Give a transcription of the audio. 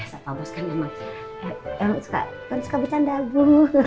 ya apa bos kan emang suka bercanda bu